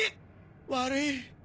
悪い。